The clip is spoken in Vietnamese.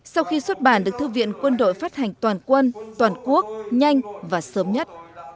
sau khi xuất bản được thư viện quân đội phát hành toàn quân toàn quốc nhanh và sớm nhất